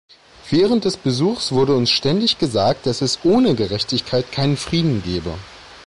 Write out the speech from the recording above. Während des Besuchs wurde uns ständig gesagt, dass es ohne Gerechtigkeit keinen Frieden gebe.